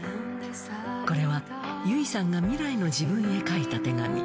これは優生さんが未来の自分へ書いた手紙。